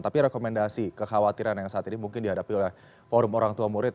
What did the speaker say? tapi rekomendasi kekhawatiran yang saat ini mungkin dihadapi oleh forum orang tua murid